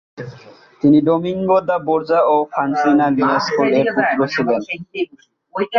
তিনি Domingo de Borja ও Francina লিয়াঙ্কোল-এর পুত্র ছিলেন।